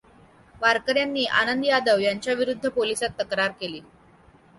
वारकऱ्यांनी आनंद यादव यांच्याविरुद्ध पोलिसात तक्रार केली.